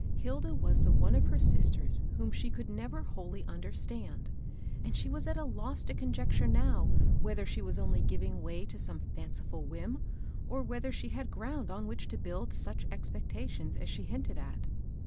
Hilda was the one of her sisters whom she could never wholly understand, and she was at a loss to conjecture now whether she was only giving way to some fiinciful whim, or whether she had ground on which to build such expectations as she hinted at.